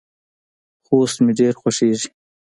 خوست مې ډیر خوښیږي.